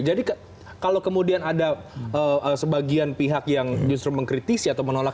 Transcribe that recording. jadi kalau kemudian ada sebagian pihak yang justru mengkritisi atau menolak